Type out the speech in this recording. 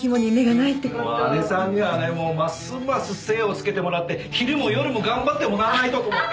もう姐さんにはねますます精をつけてもらって昼も夜も頑張ってもらわないとと思って。